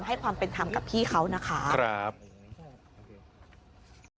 ให้ความเป็นธรรมกับพี่เขานะคะครับ